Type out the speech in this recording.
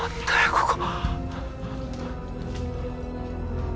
ここ。